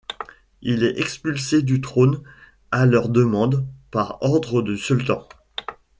Il est expulsé du trône, à leur demande, par ordre du Sultan.